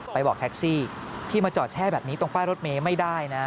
บอกแท็กซี่ที่มาจอดแช่แบบนี้ตรงป้ายรถเมย์ไม่ได้นะ